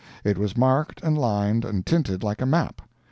It was marked and lined and tinted like a map.